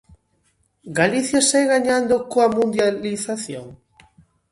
Galicia sae gañando coa mundialización?